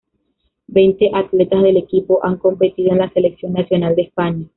Veinte atletas del equipo han competido en la Selección Nacional de España.